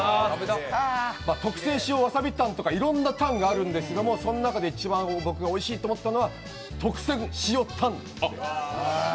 特製塩わさびタンとかいろいろあるんですけどその中で一番僕がおいしいと思ったのは特選塩タン。